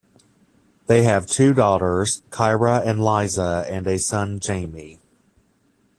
They have two daughters, Kyra and Liza, and a son, Jaime.